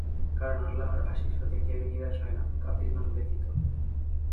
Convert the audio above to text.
কারণ আল্লাহর আশিস হতে কেউই নিরাশ হয় না, কাফিরগণ ব্যতীত।